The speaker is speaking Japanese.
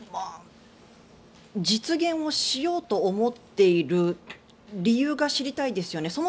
実現をしようと思っている理由が知りたいですよね。